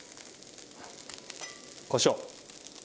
こしょう。